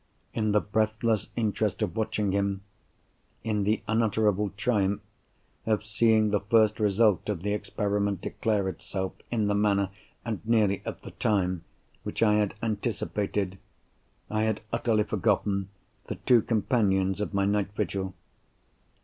In the breathless interest of watching him—in the unutterable triumph of seeing the first result of the experiment declare itself in the manner, and nearly at the time, which I had anticipated—I had utterly forgotten the two companions of my night vigil.